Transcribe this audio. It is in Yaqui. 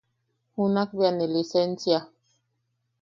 Junak bea ne lisensia.